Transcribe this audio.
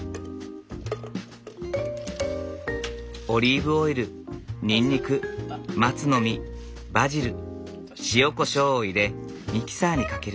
オリーブオイルにんにく松の実バジル塩こしょうを入れミキサーにかける。